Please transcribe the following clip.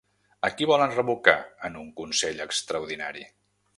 A qui volen revocar en un consell extraordinari?